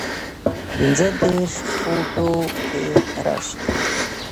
پنځۀدېرش فوټو کښې راشي